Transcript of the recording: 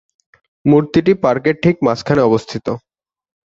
মূর্তিটি পার্কের ঠিক মাঝখানে অবস্থিত।